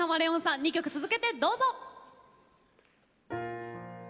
２曲続けてどうぞ！